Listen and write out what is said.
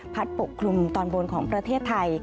ปกคลุมตอนบนของประเทศไทย